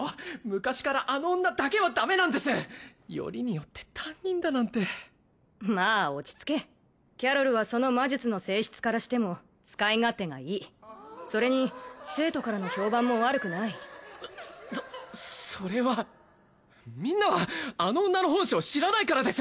昔からあの女だけはダメなんですよりによって担任だなんてまあ落ち着けキャロルはその魔術の性質からしても使い勝手がいいそれに生徒からの評判も悪くないうっそそれはみんなはあの女の本性を知らないからです